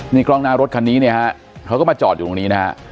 นี่กล้องหน้ารถคันนี้เนี่ยฮะเขาก็มาจอดอยู่ตรงนี้นะฮะ